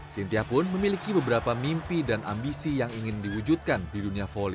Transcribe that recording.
cynthia pun memiliki beberapa mimpi dan ambisi yang ingin diwujudkan di dunia volley